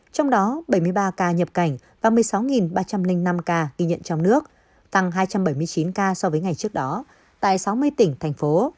trong đó bảy mươi ba ca nhập cảnh và một mươi sáu ba trăm linh năm ca ghi nhận trong nước tăng hai trăm bảy mươi chín ca so với ngày trước đó tại sáu mươi tỉnh thành phố